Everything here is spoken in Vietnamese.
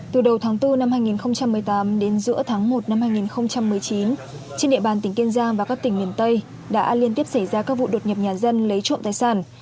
từ đầu tháng bốn năm hai nghìn một mươi tám đến giữa tháng một năm hai nghìn một mươi chín trên địa bàn tỉnh kiên giang và các tỉnh miền tây đã liên tiếp xảy ra các vụ đột nhập nhà dân lấy trộm tài sản